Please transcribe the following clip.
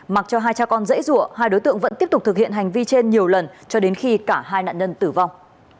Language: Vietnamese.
mặc cho hai cha con dễ dụa hai đối tượng vẫn tiếp tục thực hiện hành vi trên nhiều lần cho đến khi cả hai nạn nhân tử vong